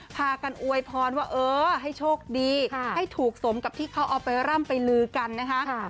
พากันอวยพรว่าเออให้โชคดีให้ถูกสมกับที่เขาเอาไปร่ำไปลือกันนะคะ